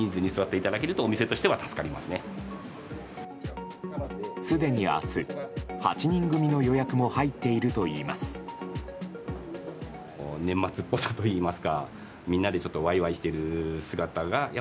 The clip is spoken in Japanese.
すでに明日、８人組の予約も入っているといいます。